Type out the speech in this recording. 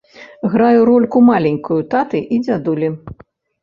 Граю рольку маленькую таты і дзядулі.